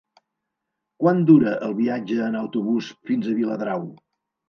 Quant dura el viatge en autobús fins a Viladrau?